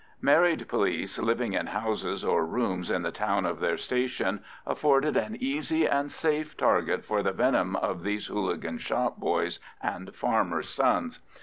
Married police living in houses or rooms in the town of their station afforded an easy and safe target for the venom of these hooligan shop boys and farmers' sons.